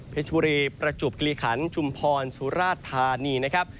พฤชบุรีประจุบกลีขันจุมพรสุราธารณีนะครับ